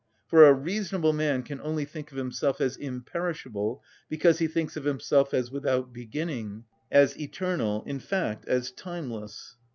For a reasonable man can only think of himself as imperishable, because he thinks of himself as without beginning, as eternal, in fact as timeless.